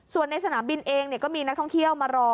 ส่วนในสนามบินเองก็มีนักท่องเที่ยวมารอ